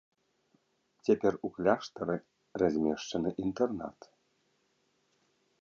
Цяпер у кляштары размешчаны інтэрнат.